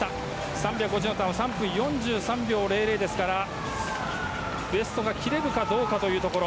３００のターン３分４３秒００ですからベストが切れるかどうかというところ。